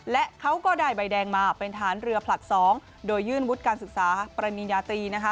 และเขาก็ได้ใบแดงมาเป็นฐานเรือผลัด๒โดยยื่นวุฒิการศึกษาปริญญาตรีนะคะ